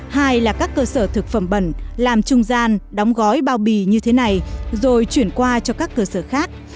hai là các cơ sở thực phẩm bẩn làm trung gian đóng gói bao bì như thế này rồi chuyển qua cho các cơ sở khác